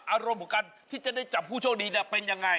อารมณ์ของการที่จะได้จับผู้โชคดีจะเป็นยังไง